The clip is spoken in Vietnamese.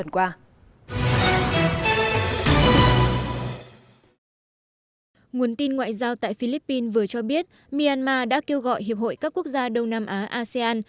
nguồn tin ngoại giao tại philippines vừa cho biết myanmar đã kêu gọi hiệp hội các quốc gia đông nam á asean